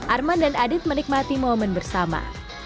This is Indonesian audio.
arman dan adit menikmati momen bersama